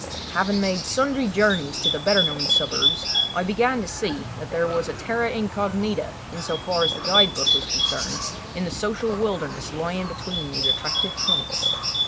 Having made sundry journeys to the better known suburbs, I began to see that there was a terra incognita, in so far as the guide book was concerned, in the social wilderness lying between these attractive points.